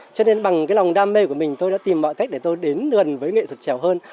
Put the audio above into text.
cho nên bằng cái lòng đam mê của mình tôi đã tìm mọi cách để tôi đến gần với nghệ thuật trèo hơn